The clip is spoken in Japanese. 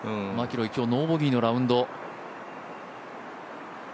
マキロイ、今日、ノーボギーのラウンド。